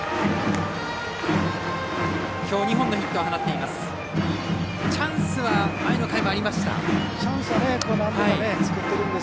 きょう２本のヒットを放っています。